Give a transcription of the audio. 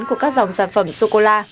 của các dòng sản phẩm sô cô la